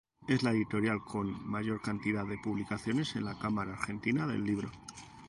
Es la editorial con mayor cantidad de publicaciones en la Cámara Argentina del Libro.